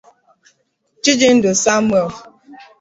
Chijindu Samuel